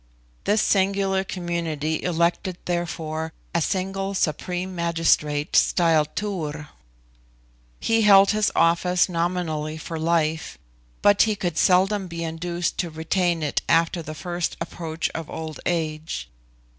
This singular community elected therefore a single supreme magistrate styled Tur; he held his office nominally for life, but he could seldom be induced to retain it after the first approach of old age.